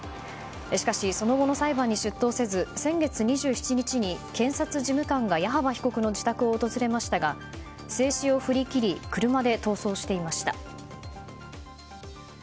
しかし、その後の裁判に出頭せず先月２７日に検察事務官が矢幅被告の自宅を訪れましたが制止を振り切り車で逃走していました。